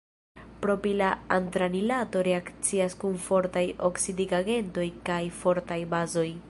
Propila antranilato reakcias kun fortaj oksidigagentoj kaj fortaj bazoj.